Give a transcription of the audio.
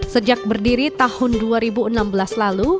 sejak berdiri tahun dua ribu enam belas lalu